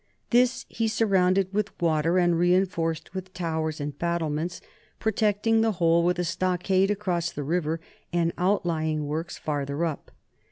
This he surrounded with water and reenforced with towers and battlements, protecting the whole with a stockade across the river and outlying works farther up.